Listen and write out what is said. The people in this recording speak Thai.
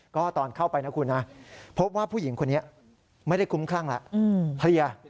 ก็ตอนเข้าไปนะคุณนะพบว่าผู้หญิงคนนี้ไม่ได้คุ้มคลั่งแล้วเพลีย